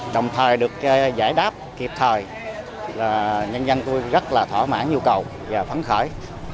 đồng thời được giải đáp kịp thời là nhân dân tôi rất là thỏa mãn nhu cầu và phấn khởi